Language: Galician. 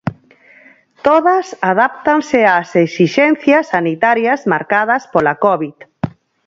Todas adáptanse as esixencias sanitarias marcadas pola covid.